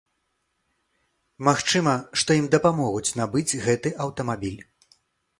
Магчыма, што ім дапамогуць набыць гэты аўтамабіль.